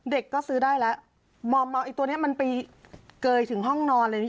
เด็กก็ซื้อได้แล้วมอมเอาไอ้ตัวนี้มันไปเกยถึงห้องนอนเลยพี่